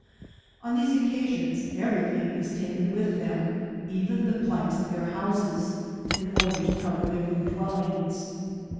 On tijcse occa sions every thing is taken with them, even the planks of their houses, in order to cover their new dwellings.